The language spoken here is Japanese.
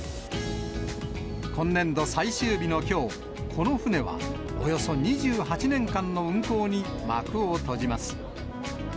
今年度最終日のきょう、この船はおよそ２８年間の運航に幕を閉じます。